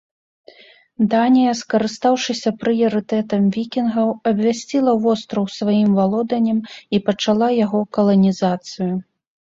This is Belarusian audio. Данія, скарыстаўшыся прыярытэтам вікінгаў, абвясціла востраў сваім валоданнем і пачала яго каланізацыю.